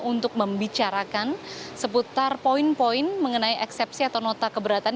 untuk membicarakan seputar poin poin mengenai eksepsi atau nota keberatan